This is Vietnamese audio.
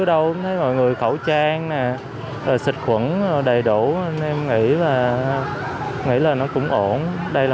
đâu cũng thấy mọi người khẩu trang nè rồi xịt khuẩn đầy đủ nên em nghĩ là nghĩ là nó cũng ổn đây là